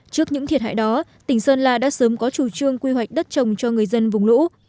trước những thiệt hại đó tỉnh sơn la đã sớm có chủ trương quy hoạch đất trồng cho người dân vùng lũ